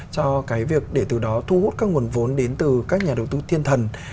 cho cái việc để từ đó thu hút các nguồn vốn đến từ các nhà đầu tư thiên thần